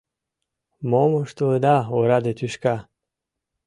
— Мом ыштылыда, ораде тӱшка!